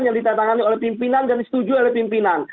yang ditatangani oleh pimpinan dan disetujui oleh pimpinan